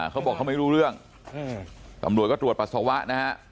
เขาบอกเขาไม่รู้เรื่องตำรวจก็ตรวจปัสสาวะนะฮะ